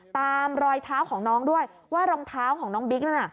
รอยเท้าของน้องด้วยว่ารองเท้าของน้องบิ๊กนั่นน่ะ